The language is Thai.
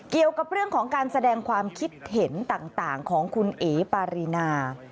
เกี่ยวกับเรื่องของการแสดงความคิดเห็นต่างของคุณเอ๋ปารีนา